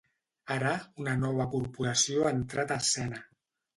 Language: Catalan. Ara, una nova corporació ha entrat a escena.